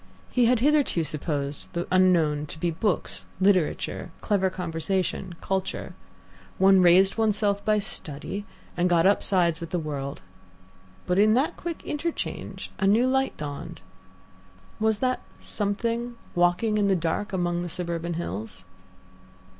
He had hitherto supposed the unknown to be books, literature, clever conversation, culture. One raised oneself by study, and got upsides with the world. But in that quick interchange a new light dawned. Was that something" walking in the dark among the surburban hills?